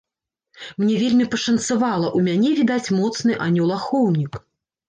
Мне вельмі пашанцавала, у мяне, відаць, моцны анёл-ахоўнік.